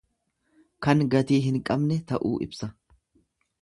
Kan gatii hin qabne ta'uu ibsa.